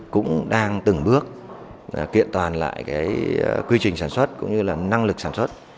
cũng đang từng bước kiện toàn lại quy trình sản xuất cũng như năng lực sản xuất